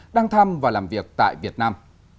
đang thăm và làm việc tại việt nam